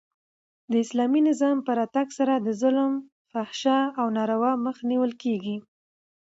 د اسلامي نظام په راتګ سره د ظلم، فحشا او ناروا مخ نیول کیږي.